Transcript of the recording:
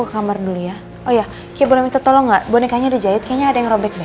ke kamar dulu ya oh ya kita boleh minta tolong gak bonekanya dijahit kayaknya ada yang robek deh